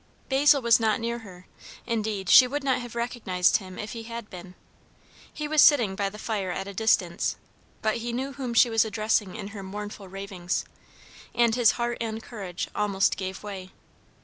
Basil was not near her, indeed she would not have recognised him if he had been; he was sitting by the fire at a distance; but he knew whom she was addressing in her mournful ravings, and his heart and courage almost gave way.